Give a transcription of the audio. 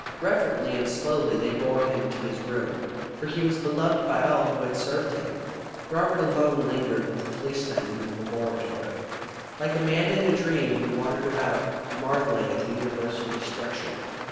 Reverently and slowly they bore him to his room, for he was beloved by all who had served him. Robert alone lingered with the policeman in the laboratory. Like a man in a dream he wandered about, marvelling at the universal destruction.